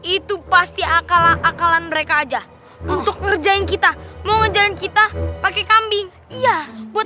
itu pasti akal akalan mereka aja untuk ngerjain kita mau jalan kita pakai kambing iya buat